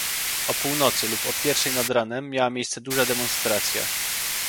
O północy lub o pierwszej nad ranem miała miejsce duża demonstracja